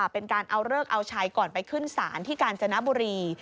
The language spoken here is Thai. เป็นการเอาเลิกเอาชัยก่อนไปขึ้นศาลที่กาญจนบุรี